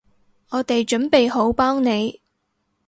我哋準備好幫你